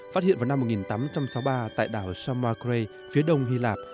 phát hiện vào năm một nghìn tám trăm sáu mươi ba tại đảo saint marc ré phía đông hy lạp